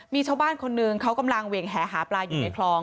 มีชาวบ้านคนหนึ่งเขากำลังเหวี่ยงแหหาปลาอยู่ในคลอง